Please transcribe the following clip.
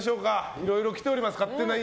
いろいろ来ております